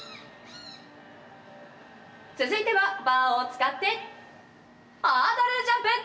続いてはバーを使ってハードルジャンプ！